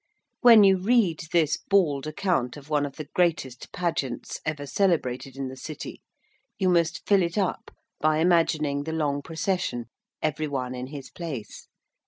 When you read this bald account of one of the greatest Pageants ever celebrated in the City, you must fill it up by imagining the long procession, every one in his place.